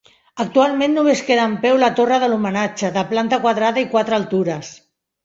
Actualment només queda en peu la torre de l'homenatge, de planta quadrada i quatre altures.